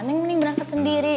neng mending berangkat sendiri